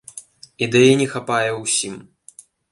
Ідэі не хапае ўсім.